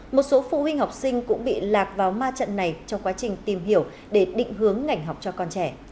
một số phụ huynh học sinh cũng bị lạc vào ma trận này trong quá trình tìm hiểu để định hướng ngành học cho con trẻ